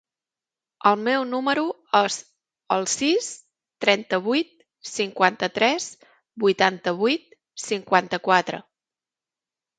El meu número es el sis, trenta-vuit, cinquanta-tres, vuitanta-vuit, cinquanta-quatre.